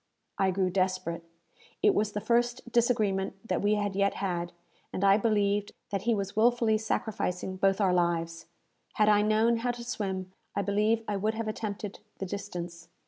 I grew desperate. It was the first disagreement that we had yet had, and I believed that he was wilfully sacrificing both our lives. Had I known how to swim, I believe I would have attempted the distance.